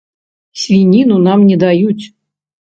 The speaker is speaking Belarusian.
Свініну нам не даюць!